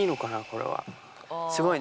これは。